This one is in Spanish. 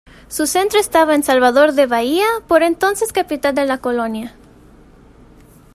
Su centro estaba en Salvador de Bahía, por entonces capital de la colonia.